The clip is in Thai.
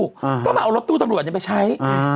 ก็มาเอารถตู้สำรวจนี้ไปใช้